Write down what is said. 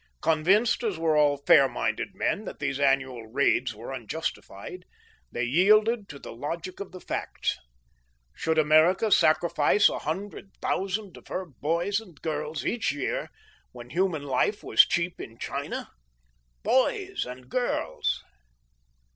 Convinced, as were all fair minded men, that these annual raids were unjustified, they yielded to the logic of the facts. Should America sacrifice a hundred thousand of her boys and girls each year, when human life was cheap in China? _Boys and girls!